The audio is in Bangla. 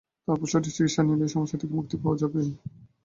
তারপর সঠিক চিকিৎসা নিলে এ সমস্যা থেকে মুক্তি পাওয়া যায়।